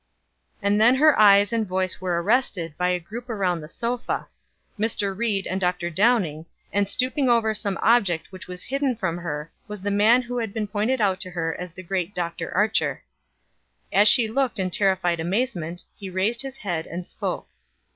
And then her eyes and voice were arrested by a group around the sofa; Mr. Ried and Dr. Downing, and stooping over some object which was hidden from her was the man who had been pointed out to her as the great Dr. Archer. As she looked in terrified amazement, he raised his head and spoke.